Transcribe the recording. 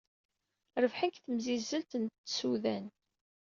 Rebḥen deg temzizzelt n tsudan.